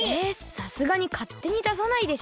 さすがにかってにださないでしょう。